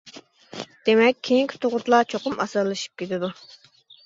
دېمەك، كېيىنكى تۇغۇتلار چوقۇم ئاسانلىشىپ كېتىدۇ.